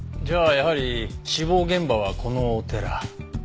じゃあやはり死亡現場はこのお寺。